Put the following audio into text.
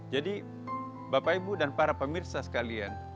jadi bapak ibu dan para pemirsa sekalian